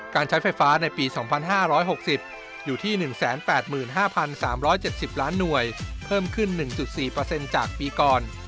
การใช้ไฟฟ้าในปี๒๕๖๐อยู่ที่๑๘๕๓๗๐ล้านหน่วยเพิ่มขึ้น๑๔จากปีก่อน